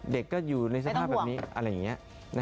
เด็กก็อยู่ในสภาพแบบนี้อะไรอย่างนี้